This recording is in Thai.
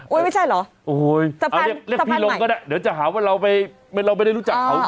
โอ๊ยเรียกพี่หลงก็ได้เดี๋ยวแนะคะว่าเราไม่ได้รู้จักเขา